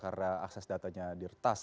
karena akses datanya dirtas